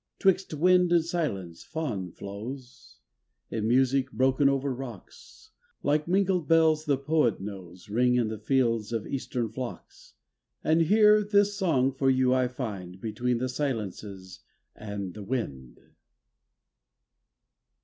226 BY FAUGHAN 227 Twixt wind and silence Faughan flows, In music broken over rocks, Like mingled bells the poet knows Ring in the fields of Eastern flocks. And here this song for you I find Between the silence and the wind.